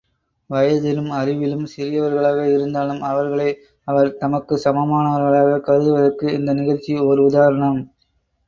வயதிலும் அறிவிலும் சிறியவர்களாக இருந்தாலும் அவர்களை, அவர் தமக்கு சமமானவர்களாகக் கருதுவதற்கு இந்த நிகழ்ச்சி ஓர் உதாரணம்.